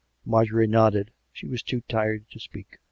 Marjorie nodded; she was too tired to speak.